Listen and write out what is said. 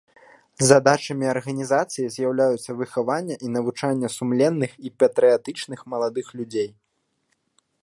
Задачамі арганізацыі з'яўляюцца выхаванне і навучанне сумленных і патрыятычных маладых людзей.